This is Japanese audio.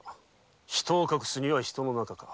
人を隠すには人の中か。